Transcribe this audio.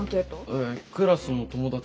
えクラスの友達。